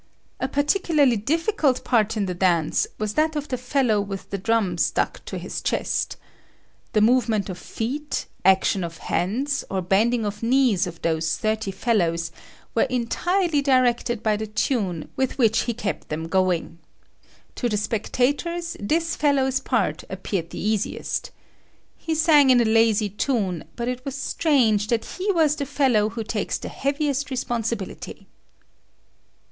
Particularly difficult part in the dance was that of the fellow with drum stuck to his chest. The movement of feet, action of hands, or bending of knees of those thirty fellows were entirely directed by the tune with which he kept them going. To the spectators this fellow's part appeared the easiest. He sang in a lazy tune, but it was strange that he was the fellow who takes the heaviest responsibility.